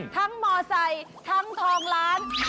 มอไซค์ทั้งทองล้าน